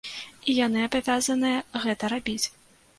І яны абавязаныя гэта рабіць.